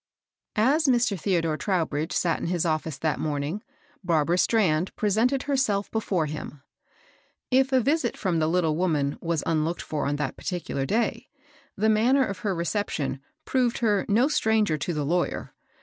S Mr. Theodore Trowbridge sat in his office that morning, Barbara Strand pre sented herself before him. If a visit •^TJj^ from the Kttle woman was nnlooked for ^j^ on that particular day, the manner of her reception proved her no stranger to the lawyer.